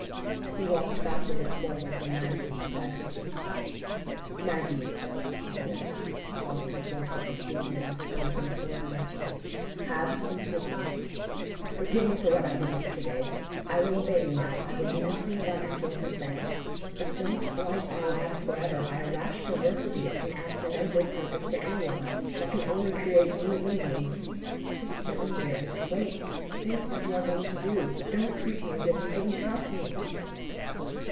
He walked backward and forward in maddening perplexity. "Maggie," he said at last, pausing before her, and speaking in a tone of imploring wretchedness, "have some pity—hear me—forgive me for what I did yesterday. I will obey you now; I will do nothing without your full consent. But don't blight our lives forever by a rash perversity that can answer no good purpose to any one, that can only create new evils. Sit down, dearest; wait—think what you are going to do. Don't treat me as if you couldn't trust me."